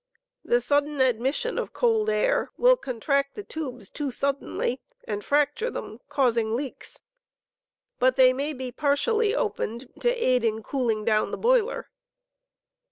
The sudden admission of cold air will contract the tubes too suddenly and fracture them, causing leaks ; but they may be partially opened to aid in cooling down the boiler.